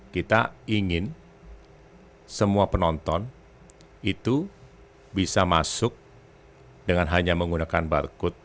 kita ingin semua penonton itu bisa masuk dengan hanya menggunakan barcode